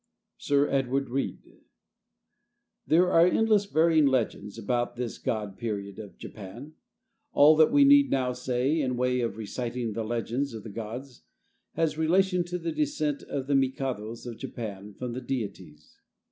SIR EDWARD REED There are endless varying legends about this god period of Japan. All that we need now say in the way of reciting the legends of the gods has relation to the descent of the mikados of Japan from the deities.